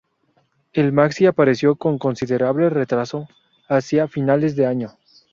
El maxi apareció con considerable retraso, hacia finales de año.